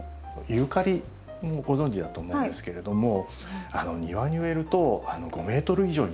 ユーカリもご存じだと思うんですけれども庭に植えると５ｍ以上になってしまう。